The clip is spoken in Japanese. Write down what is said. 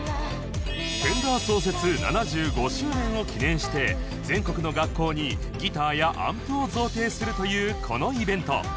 Ｆｅｎｄｅｒ 創設７５周年を記念して全国の学校にギターやアンプを贈呈するというこのイベント